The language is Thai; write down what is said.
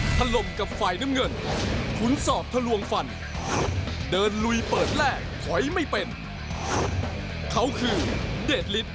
ทะลมกับฝ่ายน้ำเงินขุนสอบทะลวงฟันเดินลุยเปิดแรกขอยไม่เป็นเขาคือเด็ดฤทธิ์ปเตรลกุล